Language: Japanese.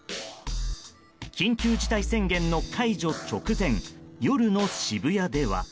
緊急事態宣言の解除直前夜の渋谷では。